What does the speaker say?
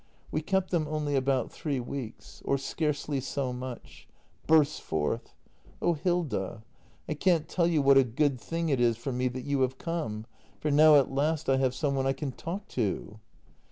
] We kept them only about three weeks. Or scarcely so much. [Bursts forth.] Oh, Hilda, I can't tell you what a good thing it is for me that you have come! For now at last I have some one I can talk to!